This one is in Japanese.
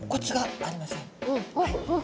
あっ本当だ。